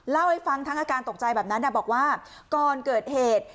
เล่าให้ฟังทั้งอาการตกใจแบบนั้นบอกว่าก่อนเกิดเหตุ